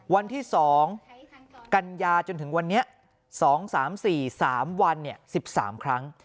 วันที่๒กันยาจนถึงวันนี้๒๓๔๓วัน๑๓ครั้ง